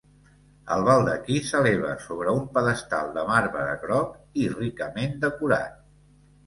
El baldaquí s'eleva sobre un pedestal de marbre groc i ricament decorat.